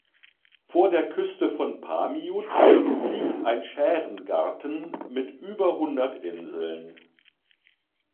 Vor der Küste von Paamiut liegt ein Schärengarten mit über Hundert Inseln.